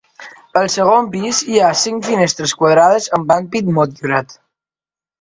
Al segon pis hi ha cinc finestres quadrades amb ampit motllurat.